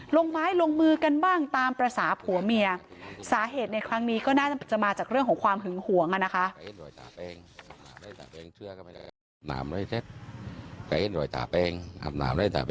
ลงไม้ลงมือกันบ้างตามภาษาผัวเมียสาเหตุในครั้งนี้ก็น่าจะมาจากเรื่องของความหึงหวงอ่ะนะคะ